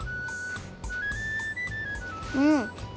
うん。